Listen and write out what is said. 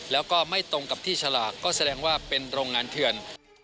แล้วก็ไม่ตรงกับที่ฉลากก็แสดงว่าเป็นโรงงานเถื่อน